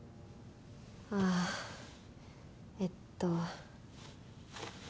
ああえっと。